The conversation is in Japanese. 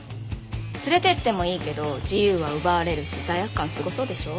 連れてってもいいけど自由は奪われるし罪悪感すごそうでしょ？